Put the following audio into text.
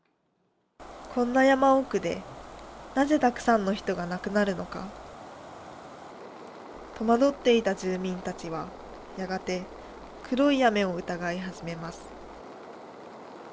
こんな山奥でなぜたくさんの人が亡くなるのか戸惑っていた住民たちはやがて黒い雨を疑い始めます。